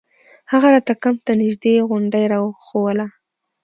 هغه راته کمپ ته نژدې غونډۍ راوښووله.